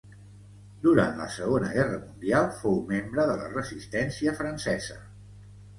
Durant la Segona Guerra Mundial fou membre de la Resistència francesa.